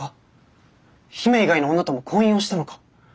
姫以外の女とも婚姻をしたのか？